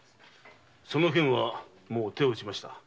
その件はもう手を打ちました。